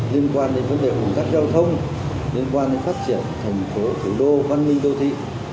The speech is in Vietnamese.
liên quan đến vấn đề ủng tắc giao thông liên quan đến phát triển thành phố thủ đô văn minh đô thị